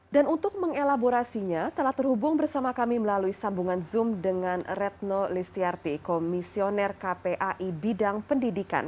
untuk mengelaborasinya telah terhubung bersama kami melalui sambungan zoom dengan retno listiarti komisioner kpai bidang pendidikan